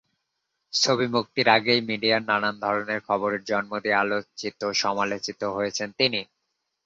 ছবি মুক্তির আগেই মিডিয়ায় নানা ধরনের খবরের জন্ম দিয়ে আলোচিত-সমালোচিত হয়েছেন তিনি।